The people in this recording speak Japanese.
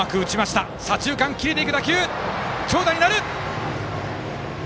長打になる！